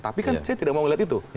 tapi kan saya tidak mau melihat itu